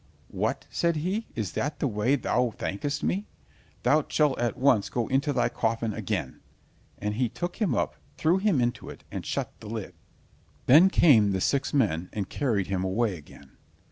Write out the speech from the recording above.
"What!" said he, "is that the way thou thankest me? Thou shalt at once go into thy coffin again," and he took him up, threw him into it, and shut the lid. Then came the six men and carried him away again.